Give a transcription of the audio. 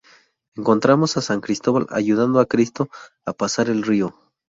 Encontramos a San Cristóbal ayudando a Cristo a pasar el río.